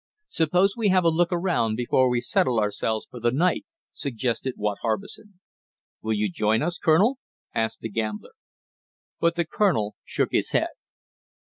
"Suppose we have a look around before we settle ourselves for the night," suggested Watt Harbison. "Will you join us, Colonel?" asked the gambler. But the colonel shook his head.